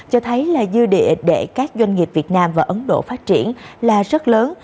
cho thấy là dư địa để các doanh nghiệp việt nam và ấn độ phát triển là rất lớn